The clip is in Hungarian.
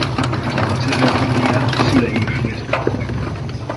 A ceremónián szülei is részt vettek.